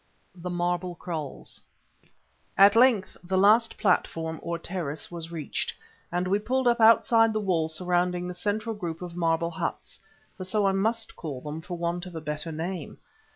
THE MARBLE KRAALS At length the last platform, or terrace, was reached, and we pulled up outside the wall surrounding the central group of marble huts—for so I must call them, for want of a better name.